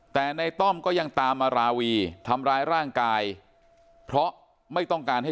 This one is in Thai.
แต่ในต้อมก็ยังตามมาราวีทำร้ายร่างกายเพราะไม่ต้องการให้